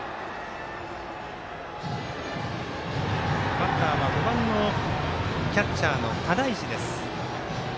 バッターは５番のキャッチャーの只石です。